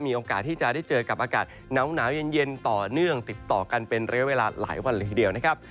มีโอกาสที่จะได้เจอกับอากาศหนาวเย็นต่อเนื่องติดต่อกันเป็นระยะเวลาหลายวันเลยทีเดียวนะครับ